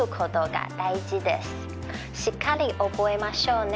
しっかり覚えましょうね。